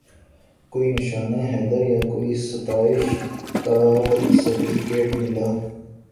کوئی نشان حیدر یا کوئی ستائش کا سرٹیفکیٹ ملا